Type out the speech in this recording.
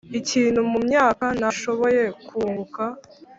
ikintu mumyaka, nashoboye kunguka